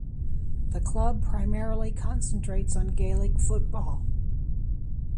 The club primarily concentrates on Gaelic football.